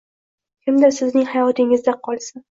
Kimdir sizning hayotingizda qolsin.